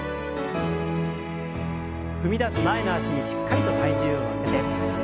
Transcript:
踏み出す前の脚にしっかりと体重を乗せて。